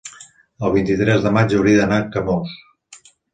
el vint-i-tres de maig hauria d'anar a Camós.